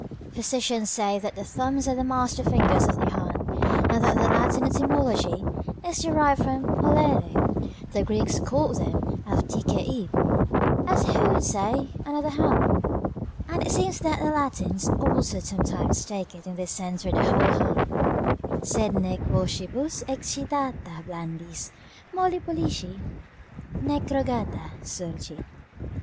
Physicians say that the thumbs are the master fingers of the hand, and that their Latin etymology is derived from "pollere." The Greeks called them 'Avtixeip', as who should say, another hand. And it seems that the Latins also sometimes take it in this sense for the whole hand: "Sed nec vocibus excitata blandis, Molli pollici nec rogata, surgit."